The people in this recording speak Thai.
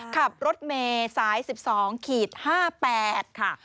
ขับรถเมย์สาย๑๒๕๘ค่ะ